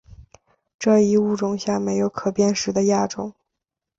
这一物种下没有可辨识的亚种。